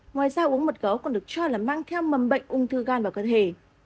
ngoài ra uống mật gấu còn được cho là mang theo mầm bệnh ung thư gan vào cơ thể